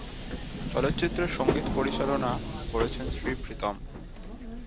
চলচ্চিত্রের সঙ্গীত পরিচালনা করেছেন শ্রী প্রীতম।